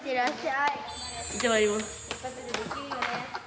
いってまいります。